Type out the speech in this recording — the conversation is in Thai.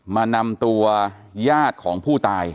มานำตัวญาติของผู้ตาย